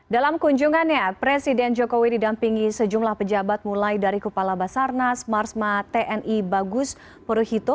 dalam kunjungannya presiden jokowi didampingi sejumlah pejabat mulai dari kepala basarnas marsma tni bagus puruhito